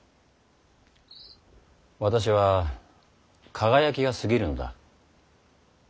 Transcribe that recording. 私は輝きがすぎるのだ。